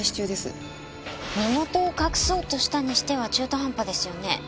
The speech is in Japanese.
身元を隠そうとしたにしては中途半端ですよね。